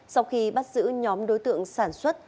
sau khi bắt giữ nhóm đối tượng sản xuất